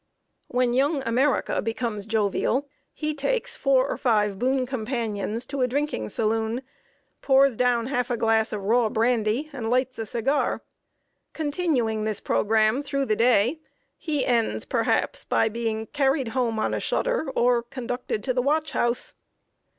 When Young America becomes jovial, he takes four or five boon companions to a drinking saloon, pours down half a glass of raw brandy, and lights a cigar. Continuing this programme through the day, he ends, perhaps, by being carried home on a shutter or conducted to the watch house.